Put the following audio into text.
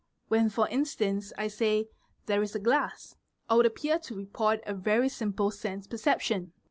When for instance I say — "There is a glass", I would appear to report a very simple sense perception.